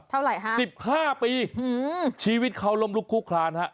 เท่าไหร่ฮะ๑๕ปีชีวิตเขาล้มลุกคู่คลานฮะ